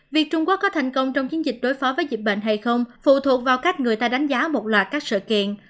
việc trung quốc có thành công trong chiến dịch đối phó với dịch bệnh hay không phụ thuộc vào cách người ta đánh giá một loạt các sự kiện